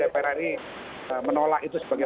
prri menolak itu sebagai